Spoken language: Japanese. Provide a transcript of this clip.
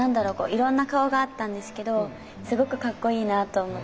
いろんな顔があったんですけどすごくかっこいいなと思って。